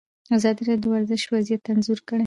ازادي راډیو د ورزش وضعیت انځور کړی.